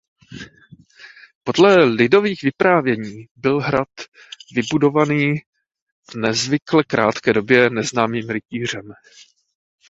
Podle lidových vyprávění byl hrad vybudovaný v nezvykle krátké době neznámým rytířem.